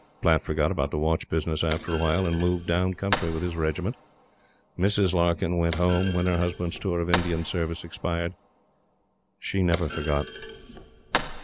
Platte forgot about the watch business after a while, and moved down country with his regiment. Mrs. Larkyn went home when her husband's tour of Indian service expired. She never forgot.